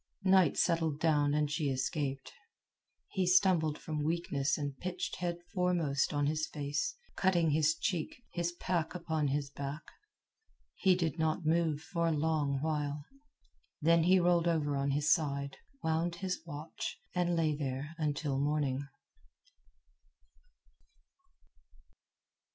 Night settled down and she escaped. He stumbled from weakness and pitched head foremost on his face, cutting his cheek, his pack upon his back. He did not move for a long while; then he rolled over on his side, wound his watch, and lay there until morning.